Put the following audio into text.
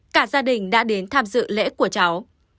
cả gia đình đã đến tham dự lễ của cháu